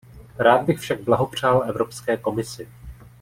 Rád bych však blahopřál Evropské komisi.